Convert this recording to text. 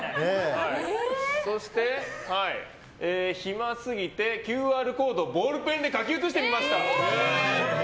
そして、暇すぎてＱＲコードをボールペンで書き写してみました。